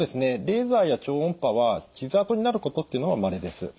レーザーや超音波は傷あとになることっていうのはまれです。